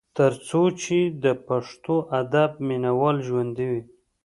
تر څو چې د پښتو ادب مينه وال ژوندي وي ۔